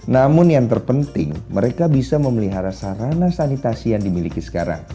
namun yang terpenting mereka bisa memelihara sarana sanitasi yang dimiliki sekarang